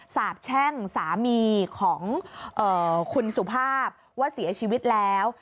สาบแช่งสามีของคุณสุภาพว่าเสียชีวิตแล้ว